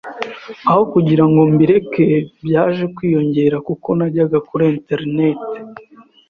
Aho kugirango mbireke byaje kwiyongera kuko najyaga kuri internet